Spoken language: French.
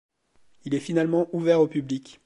Il est finalement ouvert au public.